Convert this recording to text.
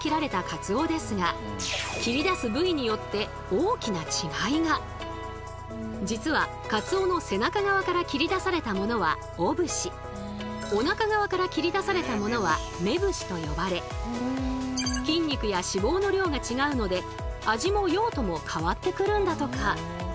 ほらちなみにどれも実はカツオの背中側から切り出されたものは「雄節」おなか側から切り出されたものは「雌節」と呼ばれ筋肉や脂肪の量が違うので味も用途も変わってくるんだとか。